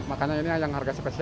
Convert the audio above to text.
makanya ini yang harga spesial